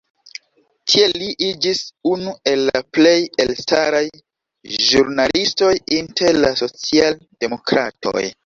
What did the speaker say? Tiel li iĝis unu el la plej elstaraj ĵurnalistoj inter la socialdemokratoj.